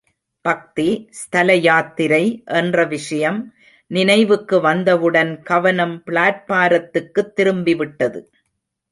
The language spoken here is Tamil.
பக்தி, ஸ்தலயாத்திரை என்ற விஷயம் நினைவுக்கு வந்தவுடன் கவனம் பிளாட்பாரத்துக்குத் திரும்பிவிட்டது.